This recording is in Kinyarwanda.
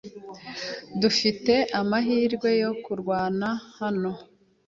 Dufite amahirwe yo kurwana hano.